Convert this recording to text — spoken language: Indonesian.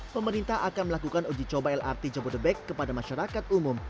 pemerintah akan melakukan uji coba lrt jabodebek kepada masyarakat umum